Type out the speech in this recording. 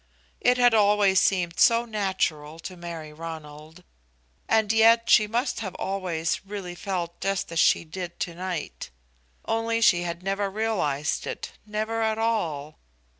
It had always seemed so natural to marry Ronald. And yet she must have always really felt just as she did to night; only she had never realized it, never at all.